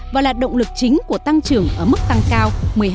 và là động lực chính của tăng trưởng ở mức tăng cao một mươi hai chín mươi tám